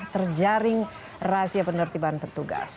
terjaring rahasia penertiban petugas